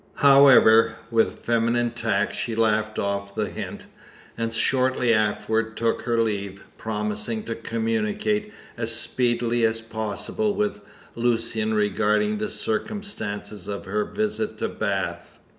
However, with feminine tact she laughed off the hint, and shortly afterwards took her leave, promising to communicate as speedily as possible with Lucian regarding the circumstances of her visit to Bath.